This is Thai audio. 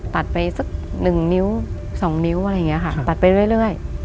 ตัดไปสักหนึ่งนิ้วสองนิ้วอะไรอย่างนี้ค่ะตัดไปเรื่อย